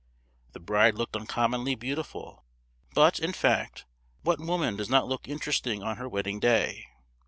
The bride looked uncommonly beautiful; but, in fact, what woman does not look interesting on her wedding day?